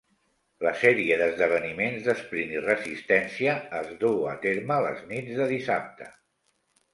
La sèrie d'esdeveniments d'esprint i resistència es duu a terme les nits de dissabte.